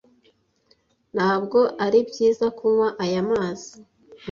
Ntabwo ari byiza kunywa aya mazi.